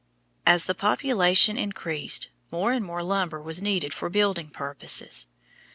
As the population increased, more and more lumber was needed for building purposes.